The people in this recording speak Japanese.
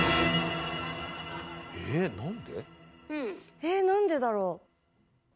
えなんでだろう。